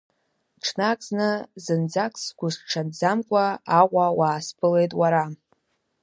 Ҽнак зны, зынӡаск сгәысҽанӡамкәа Аҟәа уаасԥылеит уара…